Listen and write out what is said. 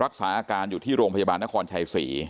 รักษาอาการอยู่ที่โรงพยาบาลนครชัยศรี